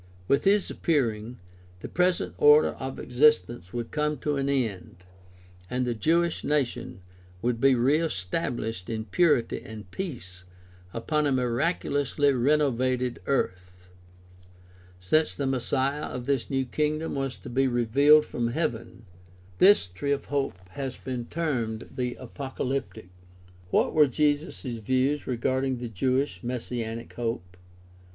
With his appearing the present order of existence would come to an end and the Jewish nation would be re estabHshed in purity and peace upon a 262 GUIDE TO STUDY OF CHRISTIAN RELIGION miraculously renovated earth. Since the Messiah of this new kingdom was to be "revealed" from heaven, this t>^e of hope has been termed the ''apocalyptic." What were Jesus' views regarding the Jewish messianic hope?